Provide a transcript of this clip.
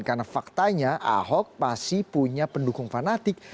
karena faktanya ahok masih punya pendukung fanatik